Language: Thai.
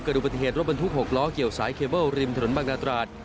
อุบัติเหตุรถบรรทุก๖ล้อเกี่ยวสายเคเบิลริมถนนบางนาตราด